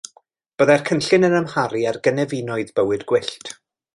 Byddai'r cynllun yn amharu ar gynefinoedd bywyd gwyllt.